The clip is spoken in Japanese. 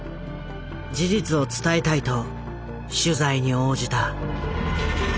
事実を伝えたいと取材に応じた。